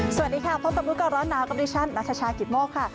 สวัสดีค่ะพบกับลูกการณ์ร้อนน้ำสวัสดีฉันนัทชาชากิตโมกค่ะ